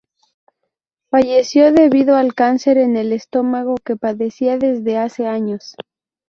Falleció debido al cáncer en el estómago, que padecía desde hace años.